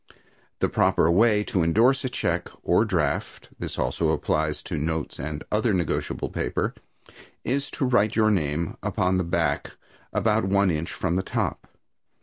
The proper way to indorse a check or draft this also applies to notes and other negotiable paper is to write your name upon the back about one inch from the top.